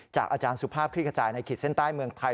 อาจารย์สุภาพคลิกกระจายในขีดเส้นใต้เมืองไทย